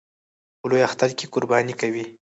په لوی اختر کې قرباني کوي